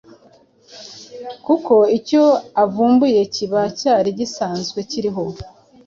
kuko icyo uvumbuye cyiba cyari gisanzwe kiriho